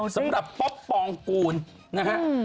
สำหรับป๊อปปองกูลนะฮะ